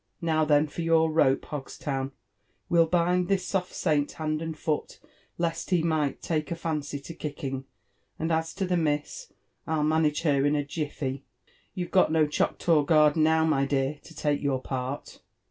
" Now, then, for your rope, Hogstown ;— we'll bind Ihissoft saint hand and foot, lest he might take a fancy to kicking ; and as to the miss, ril manage her in a jiffy — you've got no Choctaw guard now» my dear, to take your part."